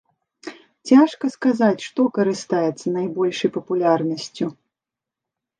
Цяжка сказаць, што карыстаецца найбольшай папулярнасцю.